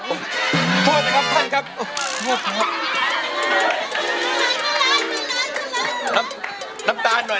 โทษนะครับท่านครับ